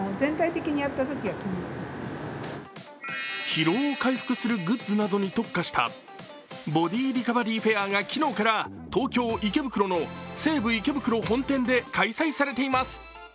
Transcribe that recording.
疲労を回復するグッズなどに特化したボディリカバリーフェアが昨日から東京・池袋の西武池袋本店で開催されています。